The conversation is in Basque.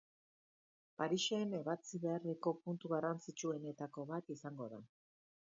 Parisen ebatzi beharreko puntu garrantzitsuenetako bat izango da.